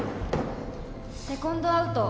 「セコンドアウト」